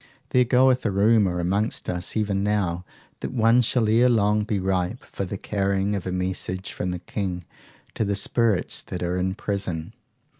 There goeth a rumour amongst us even now that one shall ere long be ripe for the carrying of a message from the King to the spirits that are in prison.